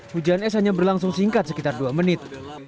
hujan es hanya berlangsung singkat sekitar dua menit